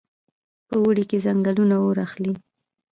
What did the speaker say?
په اوړي کې ځنګلونه اور اخلي.